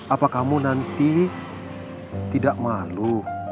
apa kamu nanti tidak malu